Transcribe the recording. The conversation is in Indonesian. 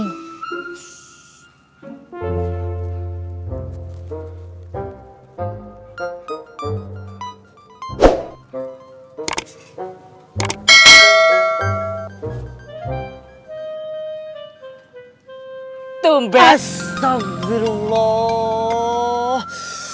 assalamu'alaikum warahmatullahi wabarakatuh